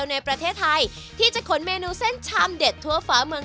สามสัญชาติมีอะไรบ้าง